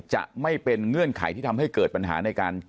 จะไม่เป็นเงื่อนไขที่ทำให้เกิดปัญหาในการ